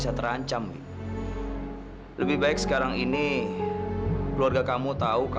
sampai jumpa di video selanjutnya